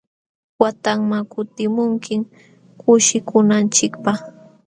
Watanman kutimunkim kushikunanchikpaq.